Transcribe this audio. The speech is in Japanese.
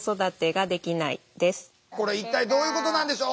これ一体どういうことなんでしょう？